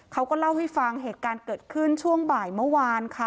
เขาก็เล่าให้ฟังเหตุการณ์เกิดขึ้นช่วงบ่ายเมื่อวานค่ะ